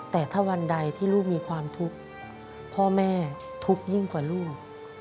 แต่ถ้าวันใดที่ลูกมีความทุกข์พ่อแม่ทุกข์ยิ่งกว่าลูก